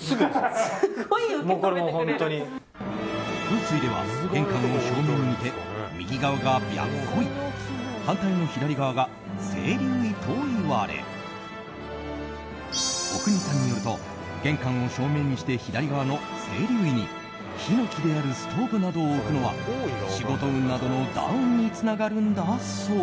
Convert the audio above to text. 風水では、玄関を正面に見て右側が白虎位反対の左側が青龍位といわれ阿国さんによると玄関を正面にして左側の青龍位に火の気であるストーブなどを置くのは仕事運などのダウンにつながるんだそう。